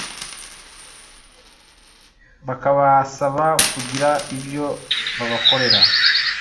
bakabasaba kugira ibyo babakorera